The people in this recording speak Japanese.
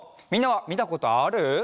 みんなはみたことある？